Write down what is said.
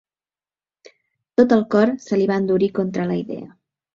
Tot el cor se li va endurir contra la idea.